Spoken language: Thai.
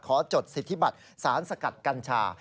จดสิทธิบัตรสารสกัดกัญชา